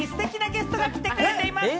さらにステキなゲストが来てくれています。